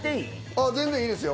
あっ全然いいですよ。